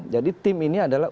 jadi tim ini adalah